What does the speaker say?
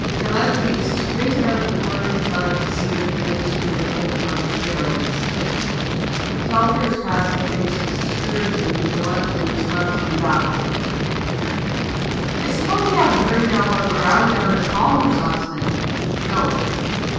Galletly squinted out of the corner of his eye to see if the minister would open on the trail of this hint. Telford's passive face was discouraging but Galletly was not to be baffled. "I s'pose ye haven't heard about the row down at Palmers' last night?" "No."